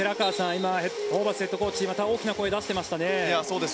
今、ホーバスヘッドコーチまた大きな声を出していましたね。